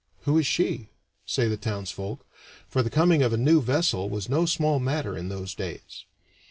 "Who is she?" say the townsfolk, for the coming of a new vessel was no small matter in those days.